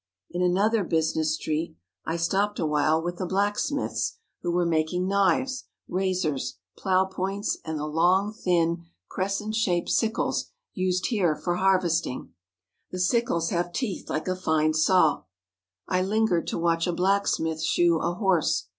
In another business street I stopped awhile with the black 181 THE HOLY LAND AND SYRIA smiths who were making knives, razors, plough points, and the long, thin, crescent shaped sickles used here for har vesting. The sickles have teeth like a fine saw. I lin gered to watch a blacksmith shoe a horse.